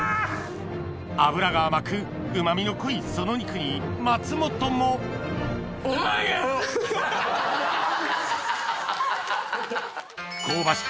脂が甘くうま味の濃いその肉に松本も香ばしく